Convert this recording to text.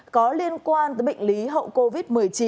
có liên quan tới bệnh lý hậu covid một mươi chín